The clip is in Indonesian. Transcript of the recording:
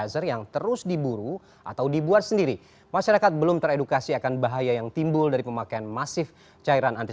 satrio adi wicaksono fikri adin nur mustakim jakarta